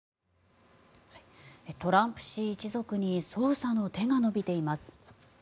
トランプ氏一族に捜査の手が伸びています。